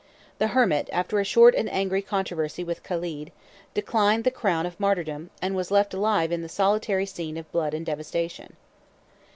The hermit, after a short and angry controversy with Caled, declined the crown of martyrdom, and was left alive in the solitary scene of blood and devastation.